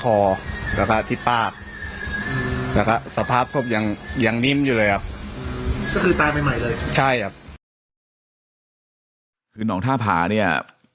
เขาก็จะเป็นใครนะครับ